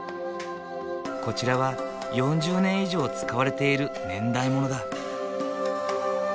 こちらは４０年以上使われている年代物だ。